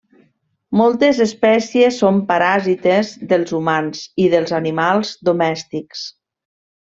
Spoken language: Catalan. Moltes espècies són paràsites dels humans i dels animals domèstics.